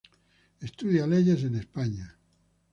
Estudia leyes en España.